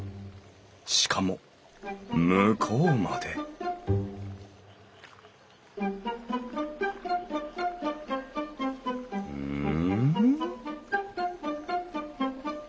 しかも向こうまでうん？